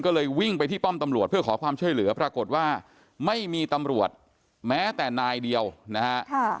ก็เลยวิ่งไปที่ป้อมตำรวจเพื่อขอความช่วยเหลือปรากฏว่าไม่มีตำรวจแม้แต่นายเดียวนะฮะ